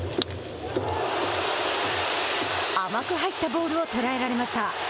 甘く入ったボールを捉えられました。